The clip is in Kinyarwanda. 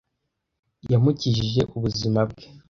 Yamukijije ubuzima bwe.